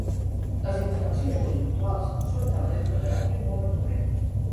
Les intervencions conductuals són, també, una teràpia molt recurrent.